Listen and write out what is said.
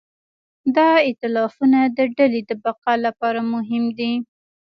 دا ایتلافونه د ډلې د بقا لپاره مهم دي.